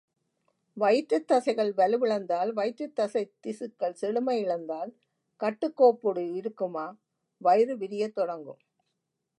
வயிற்றுத் தசைகள் வலுவிழந்தால், வயிற்றுத் தசைத்திசுக்கள் செழுமையிழந்தால், கட்டுக்கோப்போடு இருக்குமா, வயிறு விரியத் தொடங்கும்.